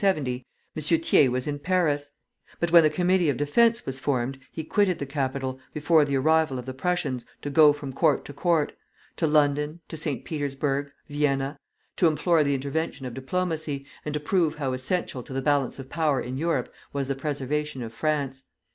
Thiers was in Paris; but when the Committee of Defence was formed, he quitted the capital, before the arrival of the Prussians, to go from court to court, to London, St. Petersburg, Vienna, to implore the intervention of diplomacy, and to prove how essential to the balance of power in Europe was the preservation of France.